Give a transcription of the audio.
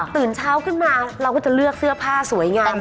ตื่นเช้าขึ้นมาเราก็จะเลือกเสื้อผ้าสวยงาม